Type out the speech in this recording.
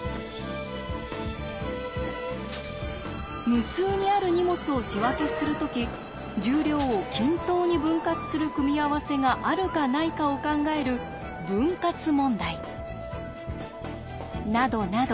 無数にある荷物を仕分けする時重量を均等に分割する組み合わせがあるかないかを考える「分割問題」。などなど